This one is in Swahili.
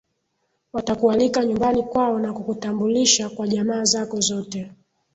watakualika nyumbani kwao na kukutambulisha kwa jamaa zako zote